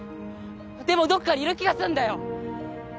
でもどっかにいる気がすんだよ